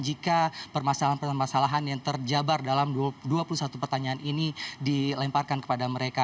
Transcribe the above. jika permasalahan permasalahan yang terjabar dalam dua puluh satu pertanyaan ini dilemparkan kepada mereka